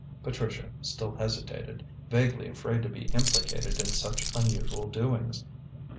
Patricia still hesitated, vaguely afraid to be implicated in such unusual doings.